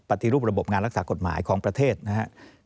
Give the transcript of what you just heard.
ปฏิรูประบบงานรักษากฎหมายของประเทศนะครับ